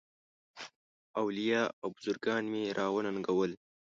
اولیاء او بزرګان مي را وننګول.